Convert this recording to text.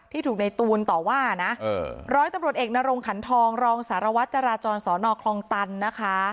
ถูกในตูนต่อว่านะร้อยตำรวจเอกนรงขันทองรองสารวัตรจราจรสอนอคลองตันนะคะ